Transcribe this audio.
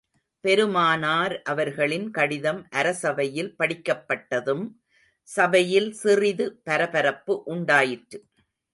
பெருமானார் அவர்களின் கடிதம் அரசவையில் படிக்கப்பட்டதும், சபையில் சிறிது பரபரப்பு உண்டாயிற்று.